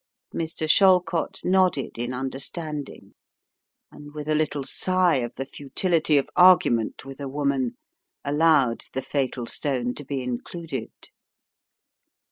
Mr. Shallcott nodded in understanding, and with a little sigh of the futility of argument with a woman, allowed the fatal stone to be included.